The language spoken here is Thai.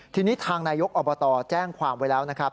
ทีนี้ทางนายกอบตแจ้งความไว้แล้วนะครับ